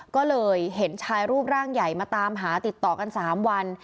ก็เลยเห็นชายรูปร่างใหญ่มาตามหาติดต่อกัน๓วัน